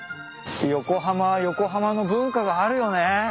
横浜は横浜の文化があるよね。